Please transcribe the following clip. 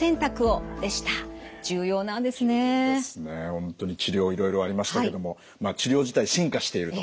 本当に治療いろいろありましたけども治療自体進化していると。